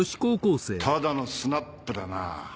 ただのスナップだな。